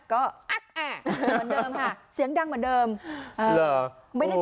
ก็อัดแอกเหมือนเดิมค่ะเสียงดังเหมือนเดิม